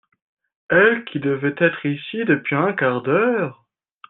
Elle qui devait être ici depuis un quart d'heure…